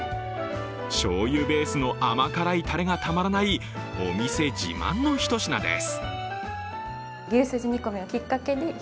しょうゆベースの甘辛いたれがたまらないお店自慢の一品です。